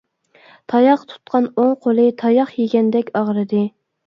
تاياق تۇتقان ئوڭ قولى تاياق يېگەندەك ئاغرىدى.